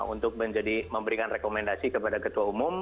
untuk memberikan rekomendasi kepada ketua umum